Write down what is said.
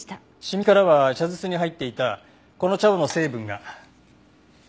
シミからは茶筒に入っていたこの茶葉の成分が検出されました。